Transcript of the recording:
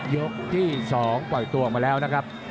ยกที่๒ปล่อยตัวออกมาแล้วนะครับ